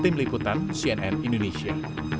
tim liputan cnn indonesia